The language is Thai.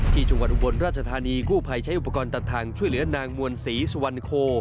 จังหวัดอุบลราชธานีกู้ภัยใช้อุปกรณ์ตัดทางช่วยเหลือนางมวลศรีสุวรรณโค